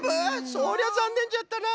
そりゃざんねんじゃったな。